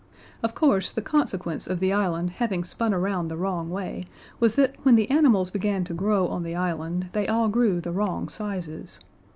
Of course, the consequence of the island having spun around the wrong way was that when the animals began to grow on the island they all grew the wrong sizes.